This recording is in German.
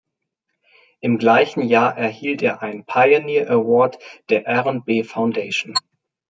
Im gleichen Jahr erhielt er einen Pioneer Award der R&B Foundation.